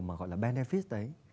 mà gọi là benefit đấy